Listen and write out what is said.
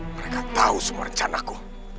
mereka tahu semua rencanaku